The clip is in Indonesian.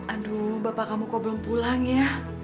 aduh bapak kamu kok belum pulang ya